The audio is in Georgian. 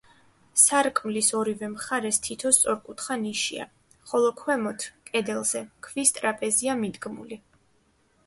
სარკმლის ორივე მხარეს თითო სწორკუთხა ნიშია, ხოლო ქვემოთ, კედელზე, ქვის ტრაპეზია მიდგმული.